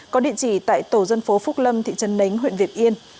có địa chỉ tại tổ dân phố phúc lâm thị trấn nánh huyện việt yên